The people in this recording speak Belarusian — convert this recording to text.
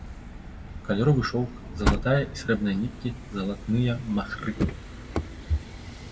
Каляровы шоўк, залатная і срэбраная ніткі, залатныя махры.